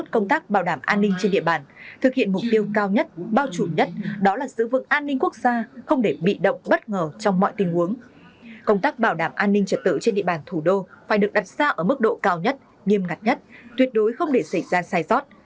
công tác bảo đảm an ninh trật tự trên địa bàn thủ đô phải được đặt ra ở mức độ cao nhất nghiêm ngặt nhất tuyệt đối không để xảy ra sai sót